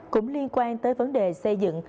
cũng liên quan tới vấn đề xây dựng